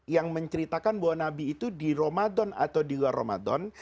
yang menceritakan bahwa nabi itu di ramadan atau di luar ramadan